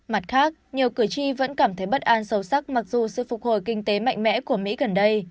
mặt khác nhiều cử tri vẫn cảm thấy bất an sâu sắc mặc dù sự phục hồi kinh tế mạnh mẽ của mỹ gần đây